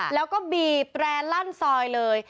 แล้วก็บีบแร่ลั่นซอยเลย